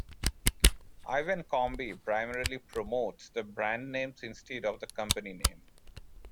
Ivan Combe primarily promotes the brand names instead of the company name.